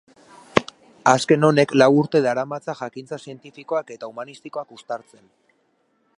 Azken honek lau urte daramatza jakintza zientifikoak eta humanistikoak uztartzen.